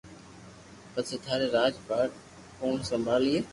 پسو ٿارو راج پاٺ ڪوڻ سمڀالئي